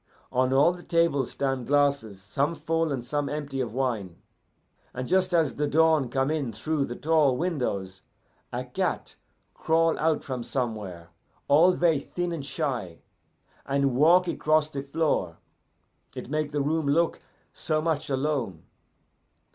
On all the tables stand glasses, some full, and some empty of wine. And just as the dawn come in through the tall windows, a cat crawl out from somewhere, all ver' thin and shy, and walk across the floor; it make the room look so much alone.